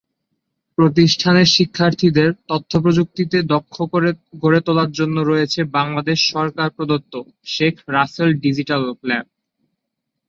প্রতিষ্ঠানের শিক্ষার্থীদের তথ্য প্রযুক্তিতে দক্ষ করে গড়ে তোলার জন্য রয়েছে বাংলাদেশ সরকার প্রদত্ত "শেখ রাসেল ডিজিটাল ল্যাব"।